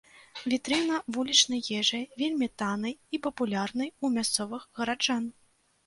Вітрына вулічнай ежы, вельмі таннай і папулярнай у мясцовых гараджан.